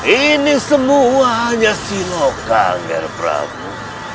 ini semuanya sinoka nger prabu